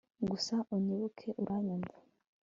Gusa unyibuke urabyumva